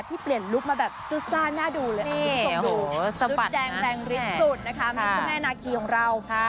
ที่เปลี่ยนลุปมาแบบซุซ่าน่าดูเลยนี่โอ้โหสะบัดนะรุดแดงแรงริดสุดนะคะมันคือแม่นาคีของเรา